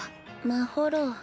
まほろ。